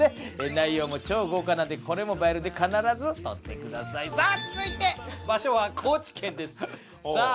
内容も超豪華なんでこれも映えるんで必ず撮ってくださいさあ続いて場所は高知県ですさあ